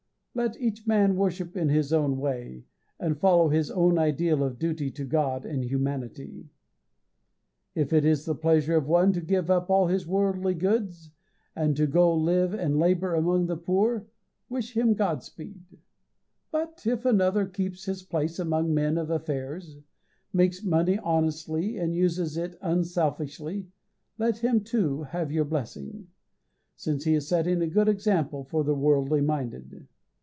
Let each man worship in his own way, and follow his own ideal of duty to God and humanity. If it is the pleasure of one to give up all his worldly goods, and to go and live and labour among the poor, wish him Godspeed; but if another keeps his place among men of affairs, makes money honestly, and uses it unselfishly, let him, too, have your blessing, since he is setting a good example for the worldly minded.